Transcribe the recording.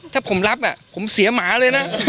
ถ้าผมรับผมเสียหมาเลยนะ